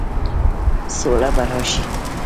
سوله به راشي؟